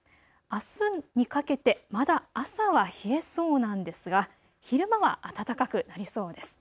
あすにかけてまだ朝は冷えそうなんですが昼間は暖かくなりそうです。